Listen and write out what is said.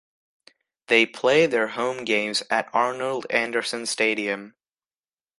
They play their home games at Arnold Anderson Stadium.